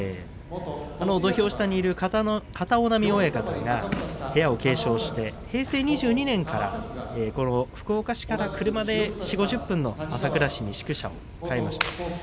土俵下にいる片男波親方が部屋を継承して平成２２年からこの福岡市から車で４０分から５０分の朝倉市に宿舎を替えました。